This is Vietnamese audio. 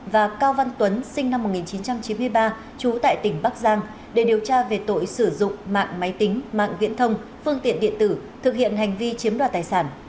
và cao văn tuấn sinh năm một nghìn chín trăm chín mươi ba trú tại tỉnh bắc giang để điều tra về tội sử dụng mạng máy tính mạng viễn thông phương tiện điện tử thực hiện hành vi chiếm đoạt tài sản